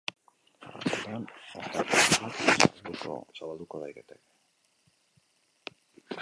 Arratsaldean ostarteren bat zabaldu daiteke.